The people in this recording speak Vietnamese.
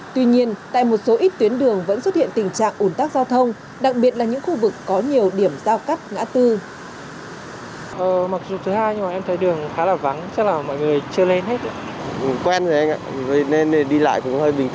tuy nhiên tại một số ít tuyến đường vẫn xuất hiện tình trạng ủn tắc giao thông đặc biệt là những khu vực có nhiều điểm giao cắt ngã tư